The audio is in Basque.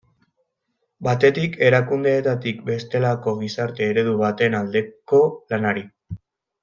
Batetik, erakundeetatik bestelako gizarte eredu baten aldeko lanari.